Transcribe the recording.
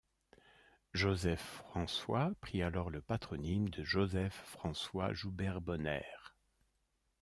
Joseph François prit alors le patronyme de Joseph François Joubert-Bonnaire.